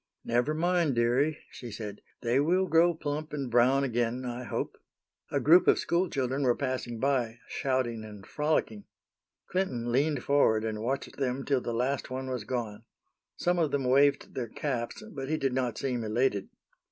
"Never mind, dearie," she said, "they will grow plump and brown again, I hope." A group of school children were passing by, shouting and frolicking. Clinton leaned forward and watched them till the last one was gone. Some of them waved their caps, but he did not seem elated.